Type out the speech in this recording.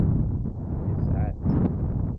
Yesɛa-tt.